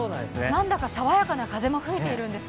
なんだか爽やかな風も吹いているんです。